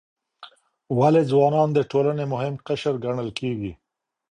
ولې ځوانان د ټولنې مهم قشر ګڼل کیږي؟